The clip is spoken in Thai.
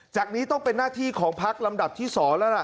นี้ต้องเป็นหน้าที่ของพักลำดับที่๒แล้วล่ะ